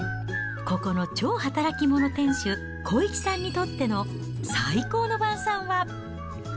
ここの超働き者店主、康一さんにとっての最高の晩さんは。